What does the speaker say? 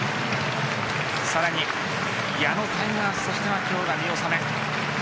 さらに矢野タイガースとしたら今日が見納め。